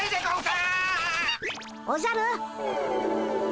おじゃる。